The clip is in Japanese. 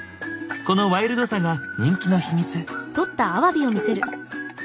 このワイルドさが人気の秘密。